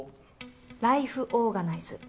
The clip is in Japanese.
ライフオーガナイズ。